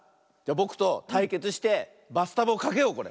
ぼくとたいけつしてバスタブをかけようこれ。